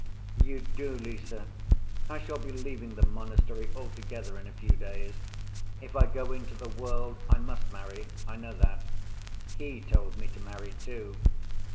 "You do, Lise. I shall be leaving the monastery altogether in a few days. If I go into the world, I must marry. I know that. He told me to marry, too.